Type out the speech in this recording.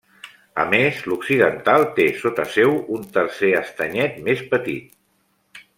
A més, l'occidental té sota seu un tercer estanyet més petit.